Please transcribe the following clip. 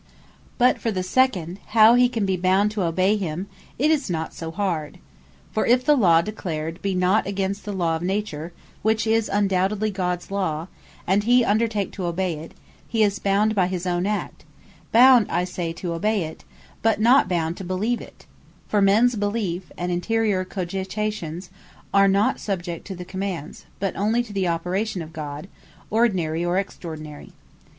But for the second, how he can be bound to obey them; it is not so hard. For if the Law declared, be not against the Law of Nature (which is undoubtedly Gods Law) and he undertake to obey it, he is bound by his own act; bound I say to obey it, but not bound to believe it: for mens beliefe, and interiour cogitations, are not subject to the commands, but only to the operation of God, ordinary, or extraordinary.